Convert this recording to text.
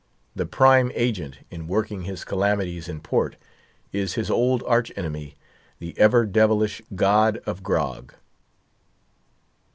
The prime agent in working his calamities in port is his old arch enemy, the ever devilish god of grog.